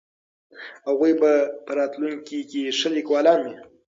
هغوی به په راتلونکي کې ښه لیکوالان وي.